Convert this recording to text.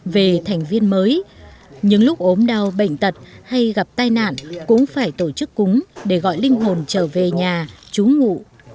về thành viên mới những lúc ốm đau bệnh tật hay gặp tai nạn cũng phải tổ chức cúng để gọi linh hồn trở về nhà trú ngụ